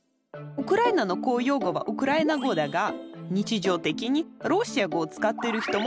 ウクライナの公用語はウクライナ語だが日常的にロシア語を使っている人もたくさんいる。